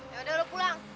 yaudah lo pulang